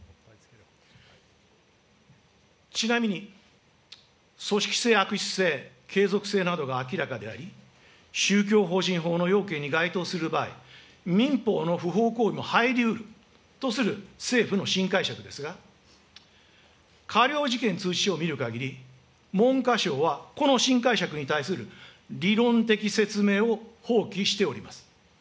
ちなみに、組織性、悪質性、継続性などが明らかであり、宗教法人法の要求に該当する場合、民法の不法行為も入りうるとする政府の新解釈ですが、過料通知を見るかぎり、文科省はこの新解釈に対する理論的説明を放棄しております。